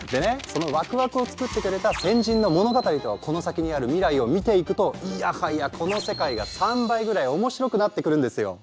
そのワクワクを作ってくれた先人の物語とこの先にある未来を見ていくといやはやこの世界が３倍ぐらい面白くなってくるんですよ！